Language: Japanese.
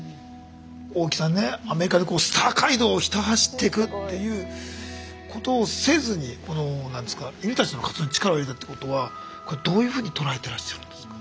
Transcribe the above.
大木さんねアメリカでスター街道をひた走っていくっていうことをせずにこの犬たちの活動に力を入れたってことはどういうふうに捉えていらっしゃるんですか。